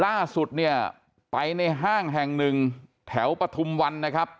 ล่าสุดเนี่ยไปในห้างแห่งหนึ่งแถวปฐุมวันนะครับ